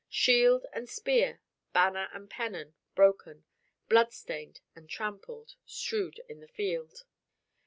Shield and spear, banner and pennon, broken, bloodstained and trampled, strewed the field.